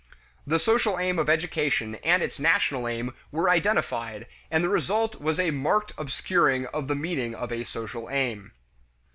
The social aim of education and its national aim were identified, and the result was a marked obscuring of the meaning of a social aim.